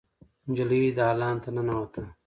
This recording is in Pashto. نجلۍ دالان ته ننوته.